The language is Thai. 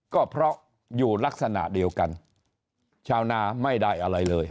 ก็เพราะอยู่ลักษณะเดียวกันชาวนาไม่ได้อะไรเลย